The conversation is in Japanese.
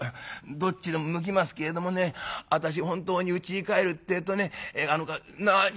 「どっちでも向きますけれどもね私本当にうちに帰るってえとね何をする。